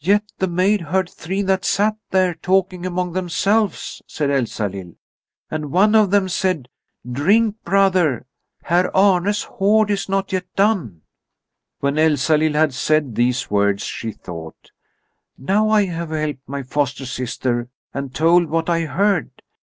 "Yet the maid heard three that sat there talking among themselves," said Elsalill, "and one of them said: 'Drink, brother! Herr Arne's hoard is not yet done.'" When Elsalill had said these words she thought: "Now I have helped my foster sister and told what I heard.